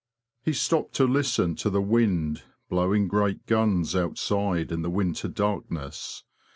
He stopped to listen to the wind, blowing great guns outside in the winter darkness.